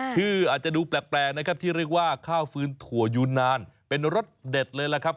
ชื่ออาจจะดูแปลกนะครับที่เรียกว่าข้าวฟื้นถั่วยูนานเป็นรสเด็ดเลยล่ะครับ